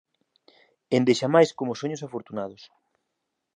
Endexamais como soños afortunados.